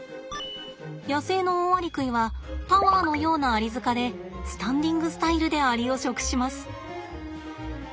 野生のオオアリクイはタワーのようなアリ塚でスタンディングスタイルでアリを食します。